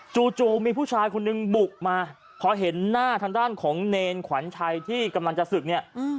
จู่มีผู้ชายคนนึงบุกมาพอเห็นหน้าทางด้านของเนรขวัญชัยที่กำลังจะศึกเนี่ย